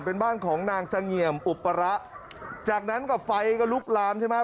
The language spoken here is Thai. เป็นบ้านของนางเสงี่ยมอุประจากนั้นก็ไฟก็ลุกลามใช่ไหม